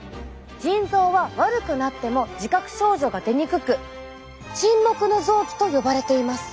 腎臓は悪くなっても自覚症状が出にくく沈黙の臓器と呼ばれています。